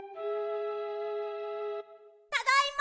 ただいま！